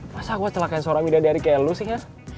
masa gua celakain seorang mida dari kayak lu sih ya